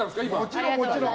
もちろん、もちろん。